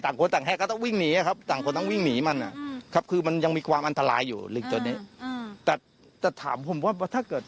แตกตัวงานตัวต่างคนตัวก็ต้องวิ่งหนีนี่นะครับ